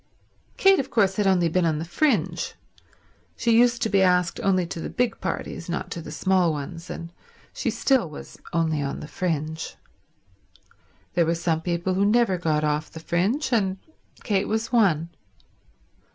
Kate, of course, had only been on the fringe; she used to be asked only to the big parties, not to the small ones, and she still was only on the fringe. There were some people who never got off the fringe, and Kate was one.